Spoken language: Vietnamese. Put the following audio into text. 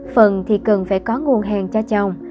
phần thì cần phải có nguồn hàng cho chồng